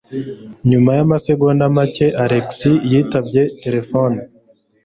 Nyuma yamasegonda make Alex yitabye terefone.